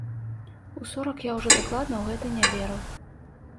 У сорак я ўжо дакладна ў гэта не верыў.